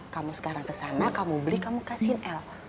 kamu sekarang kesana kamu beli kamu kasihin l